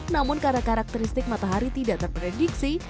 namun karena karakteristik matahari tidak terprediksi